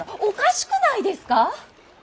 おかしくないですか。